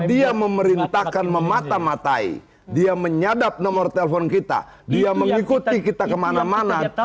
dia memerintahkan memata matai dia menyadap nomor telepon kita dia mengikuti kita kemana mana